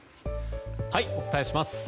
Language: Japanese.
お伝えします。